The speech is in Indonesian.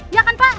ya kan pak